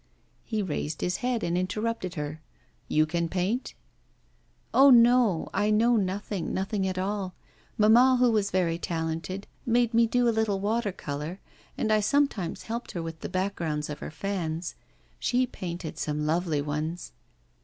He raised his head and interrupted her. 'You can paint?' 'Oh, no; I know nothing, nothing at all. Mamma, who was very talented, made me do a little water colour, and I sometimes helped her with the backgrounds of her fans. She painted some lovely ones.